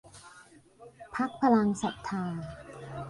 พรรคพลังศรัทธา